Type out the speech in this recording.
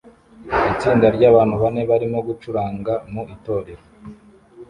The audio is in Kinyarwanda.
Itsinda ryabantu bane barimo gucuranga mu itorero